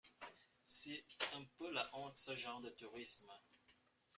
C'est un peu la honte ce genre de tourisme.